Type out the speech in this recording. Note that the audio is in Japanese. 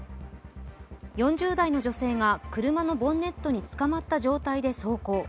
４０代の女性が車のボンネットにつかまった状態で走行。